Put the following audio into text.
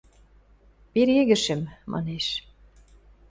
– Перегӹшӹм, – манеш.